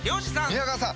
宮川さん